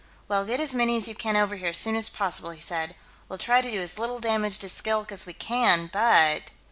"Well, get as many as you can over here, as soon as possible," he said. "We'll try to do as little damage to Skilk as we can, but